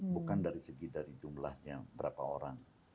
bukan dari segi dari jumlahnya berapa orang